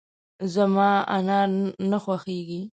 زما انار نه خوښېږي .